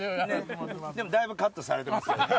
でも、だいぶカットされています。